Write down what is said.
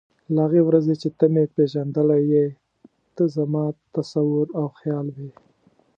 له هغې ورځې چې ته مې پېژندلی یې ته زما تصور او خیال وې.